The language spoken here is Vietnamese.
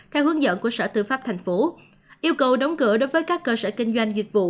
theo hướng dẫn của sở tư pháp tp yêu cầu đóng cửa đối với các cơ sở kinh doanh dịch vụ